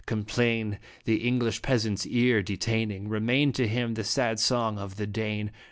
Complain the English peasant's ear detaining, Remain to him the sad song of the Dane.